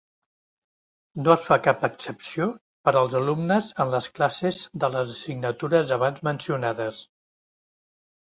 No es fa cap excepció per als alumnes en les classes de les assignatures abans mencionades.